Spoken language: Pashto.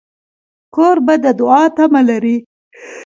کوربه د دوعا تمه لري.